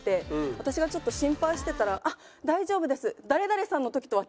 私がちょっと心配してたら「あっ大丈夫です」。